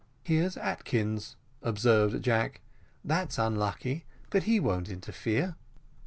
"Here's Atkins," observed Jack; "that's unlucky, but he won't interfere."